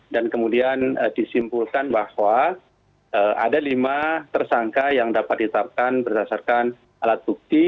dan kemudian disimpulkan bahwa ada lima tersangka yang dapat ditetapkan berdasarkan alat bukti